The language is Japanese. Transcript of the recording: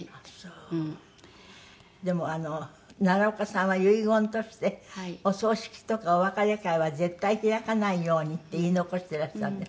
でも奈良岡さんは遺言として「お葬式とかお別れ会は絶対開かないように」って言い残してらしたんですって？